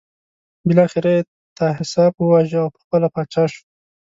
بالاخره یې طاهاسپ وواژه او پخپله پاچا شو.